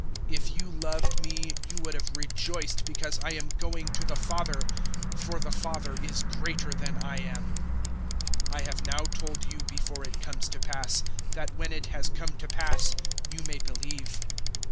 If you loved me, you would have rejoiced because I am going to the Father; for the Father is greater than I am. 014:029 I have now told you before it comes to pass, that when it has come to pass you may believe.